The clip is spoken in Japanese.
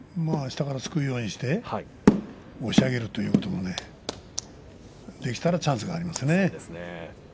下からすくうようにして押し上げるということもできたらチャンスがありますね。